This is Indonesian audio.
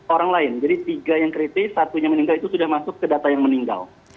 orang lain jadi tiga yang kritis satunya meninggal itu sudah masuk ke data yang meninggal